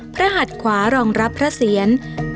พระหัดขวารองรับพระเสียร